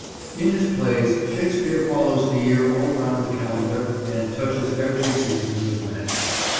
In his plays Shakespeare follows the year all round the calendar and touches every season with magic.